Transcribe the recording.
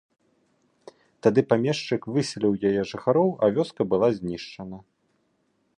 Тады памешчык выселіў яе жыхароў, а вёска была знішчана.